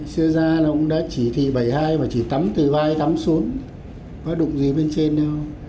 xưa ra nó cũng đã chỉ thị bảy mươi hai mà chỉ tắm từ vai tắm xuống có đụng gì bên trên đâu